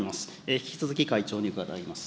引き続き会長に伺います。